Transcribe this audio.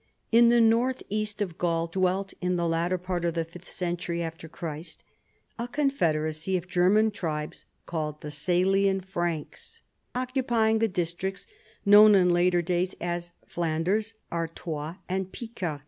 In the north east of Gaul dwelt, in the latter part of the fifth century after Christ, a confederacy of German tribes called the Salian Franks, occupying the districts known in later days as Flanders, Artois, and Picardy.